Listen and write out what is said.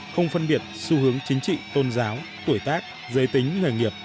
không phân biệt xu hướng chính trị tôn giáo tuổi tác giới tính nghề nghiệp